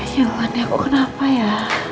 ya ampun ya aku kenapa ya